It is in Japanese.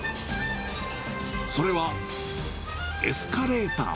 それは、エスカレーター。